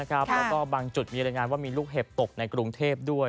แล้วก็บางจุดมีรายงานว่ามีลูกเห็บตกในกรุงเทพด้วย